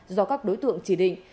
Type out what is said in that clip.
do các đối tượng chỉ định